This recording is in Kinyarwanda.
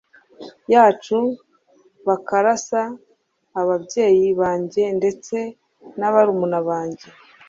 yacu bakarasa ababyeyi banjye ndetse nabarumuna banjye